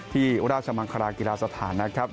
ที่ราชมังคลากีฬาสถานนะครับ